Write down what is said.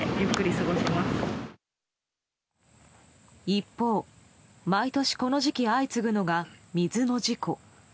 一方、毎年この時期相次ぐのが水の事故。